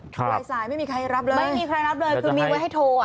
ปลายสายไม่มีใครรับเลยไม่มีใครรับเลยคือมีไว้ให้โทรอ่ะ